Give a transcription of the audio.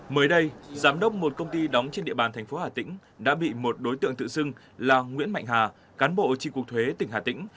mới đây giám đốc một công ty đóng trên địa bàn thành phố hà tĩnh đã bị một đối tượng tự xưng là nguyễn mạnh hà cán bộ tri cục thuế tỉnh hà tĩnh